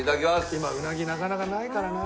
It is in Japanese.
今うなぎなかなかないからな。